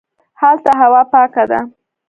هلته هوا پاکه ده